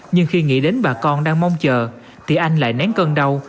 nhưng khi nghĩ đến bà con đang mong chờ thì anh lại nén cơn đau